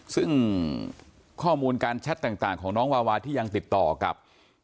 ซึ่งข้อมูลการแชทต่างของน้องวาวาที่ยังติดต่อกับ